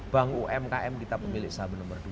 bank umkm kita pemilik saham nomor dua